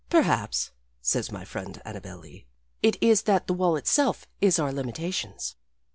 "Perhaps," says my friend Annabel Lee, "it is that the wall itself is our limitations."